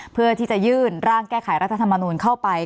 เพื่อที่จะยื่นร่างแก้ไขรัฐธรรมนูลเข้าไป